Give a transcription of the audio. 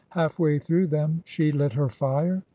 Half way through them she lit her fire.